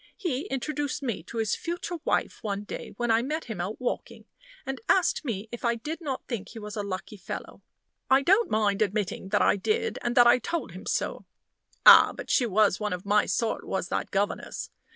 He introduced me to his future wife one day when I met him out walking, and asked me if I did not think he was a lucky fellow. I don't mind admitting that I did, and that I told him so. Ah! but she was one of my sort, was that governess.